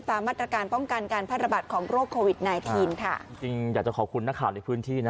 ตามมาตรการป้องกันการแพร่ระบาดของโรคโควิดไนทีนค่ะจริงอยากจะขอบคุณนักข่าวในพื้นที่นะ